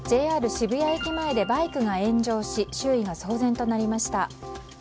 渋谷駅前でバイクが炎上し周囲が騒然となりました。